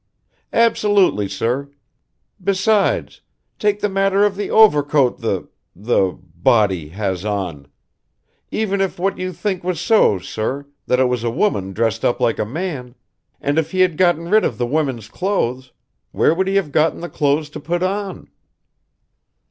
"Absolutely, sir. Besides, take the matter of the overcoat the the body has on. Even if what you think was so, sir that it was a woman dressed up like a man and if he had gotten rid of the women's clothes, where would he have gotten the clothes to put on?"